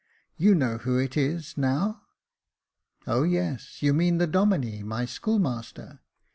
You know who it is now ?"*' O yes ! you mean the Domine, my schoolmaster."